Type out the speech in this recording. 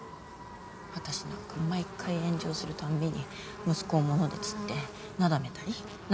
私なんか毎回炎上するたんびに息子を物で釣ってなだめたりなだめられなかったり。